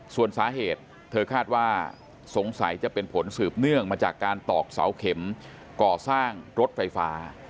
ส่วนสาเหตุเธอคาดว่าสงสัยจะเป็นผลสืบเนื่องมาจากการตอกเสาเข็มก่อสร้างรถไฟฟ้า